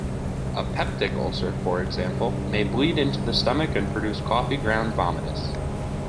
A peptic ulcer, for example, may bleed into the stomach and produce coffee-ground vomitus.